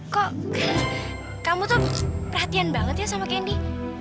kok kamu tuh perhatian banget ya sama kendi